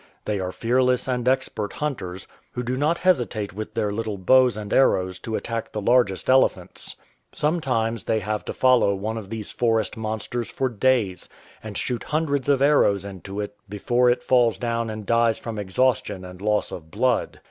They are fearless and expert hunters, who do not hesitate with their little bows and arrows to attack the largest ele phants. Sometimes they have to follow one of these forest monsters for days, and shoot hundreds of arrows into it before it falls down and dies from exhaustion and loss of blood.